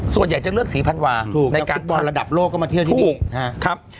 ส่วนใหญ่จะเลือกศรีพันวาถูกแล้วทุกวันระดับโลกก็มาเที่ยวที่นี่